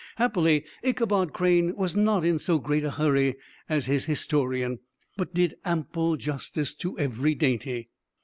Happily, Ichabod Crane was not in so great a hurry as his historian, but did ample justice to every dainty.